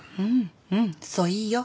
うんそういいよ。